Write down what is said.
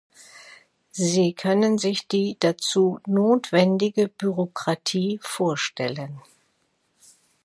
Sie können sich die dazu notwendige Bürokratie vorstellen.